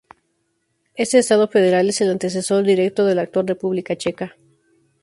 Este estado federal es el antecesor directo de la actual República Checa.